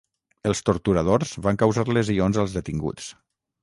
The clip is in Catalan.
Els torturadors van causar lesions als detinguts.